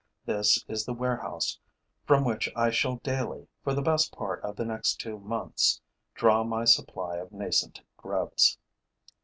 This is the warehouse from which I shall daily, for the best part of the next two months, draw my supply of nascent grubs.